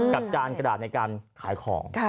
จานกระดาษในการขายของ